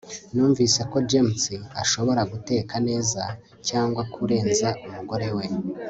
numvise ko james ashobora guteka neza, cyangwa kurenza umugore we